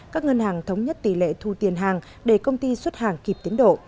các ngân hàng thống nhất tỷ lệ thu tiền hàng để công ty xuất hàng kịp tiến độ